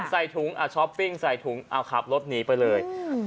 ใส่ถุงช้อปปิ้งใส่ถุงเอาขับรถหนีไปเลย